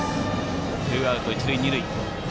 ツーアウト、一塁二塁。